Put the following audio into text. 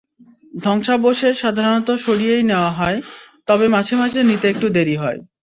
ধ্বংসাবশেষ সাধারণত সরিয়েই নেওয়া হয়, তবে মাঝে মাঝে নিতে একটু দেরি হয়।